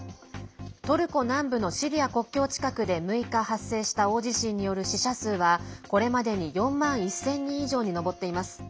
トルコ南部のシリア国境近くで６日、発生した大地震による死者数は、これまでに４万１０００人以上に上っています。